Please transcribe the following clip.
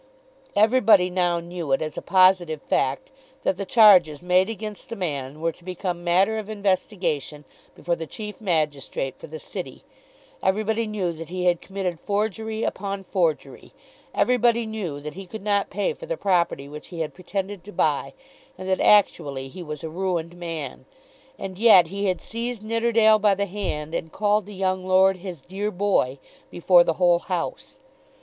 Everybody now knew it as a positive fact that the charges made against the man were to become matter of investigation before the chief magistrate for the City, everybody knew that he had committed forgery upon forgery, everybody knew that he could not pay for the property which he had pretended to buy, and that he was actually a ruined man; and yet he had seized Nidderdale by the hand, and called the young lord "his dear boy" before the whole House.